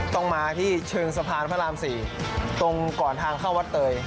ต้องมาที่เชิงสะพานพระราม๔ตรงก่อนทางเข้าวัดเตย